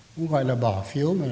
cũng gọi là bỏ phiếu mà